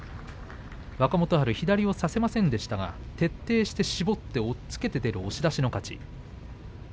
若元春、左を差せませんでしたが徹底して絞って押っつけて出る押し出しの勝ち。